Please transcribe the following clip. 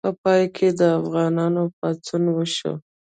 په پای کې د افغانانو پاڅون وشو.